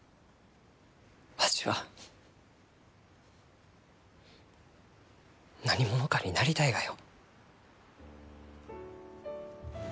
わしは何者かになりたいがよ。